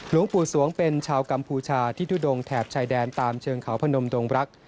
หลวงปู่สวงเป็นชาวกัมพูชาที่ทุดงแถบชายแดนตามเชิงเขาพนมดงรัก